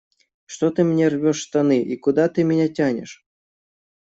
Что ты мне рвешь штаны и куда ты меня тянешь?